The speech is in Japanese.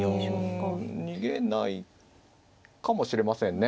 逃げないかもしれませんね